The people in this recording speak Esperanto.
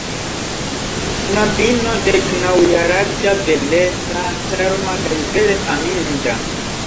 Knabino deknaŭjaraĝa, beleta, ĉarma kaj vere aminda.